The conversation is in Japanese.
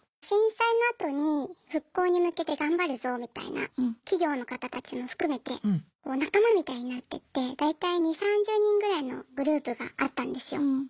震災のあとに復興に向けて頑張るぞみたいな企業の方たちも含めてもう仲間みたいになってって大体２０３０人ぐらいのグループがあったんですよ。